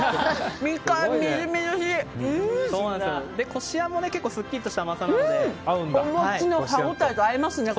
こしあんもすっきりとした甘さなのでおもちの歯ごたえと合いますね。